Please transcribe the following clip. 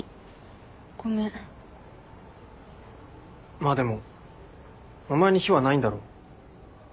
まあでもお前に非はないんだろ？